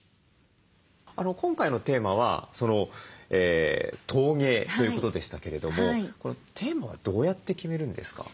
今回のテーマは陶芸ということでしたけれどもテーマはどうやって決めるんですか？